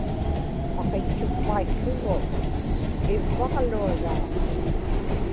paqitchukpaił̣ł̣ugu, ivvaġluaraa